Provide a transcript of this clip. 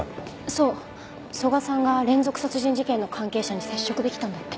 そう曽我さんが連続殺人事件の関係者に接触できたんだって。